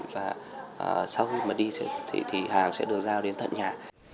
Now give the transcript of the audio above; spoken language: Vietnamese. và sau khi mà đi siêu thị thì hàng sẽ được giao đến tận nhà